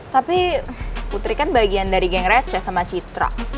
tapi putri kan bagian dari geng receh sama citra